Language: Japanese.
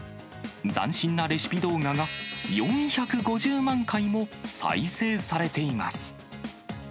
斬新なレシピ動画が、４５０万回も再生されています。